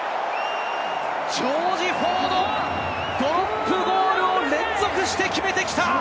ジョージ・フォード、ドロップゴールを連続して決めてきた！